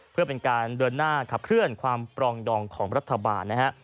เพื่อเป็นการเดินหน้าขับเคลื่อนความปรองดองของรัฐบาลนะฮะ